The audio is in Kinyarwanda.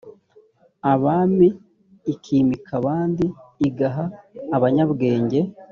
abami ikimika abandi igaha abanyabwenge